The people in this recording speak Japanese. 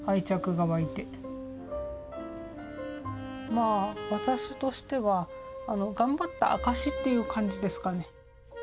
まあ私としては頑張った証しっていう感じですかね。